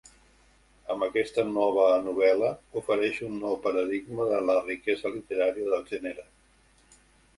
Amb aquesta nova novel·la ofereix un nou paradigma de la riquesa literària del gènere.